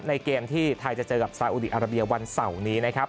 เกมที่ไทยจะเจอกับซาอุดีอาราเบียวันเสาร์นี้นะครับ